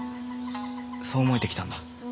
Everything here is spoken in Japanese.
そう思えてきたんだ。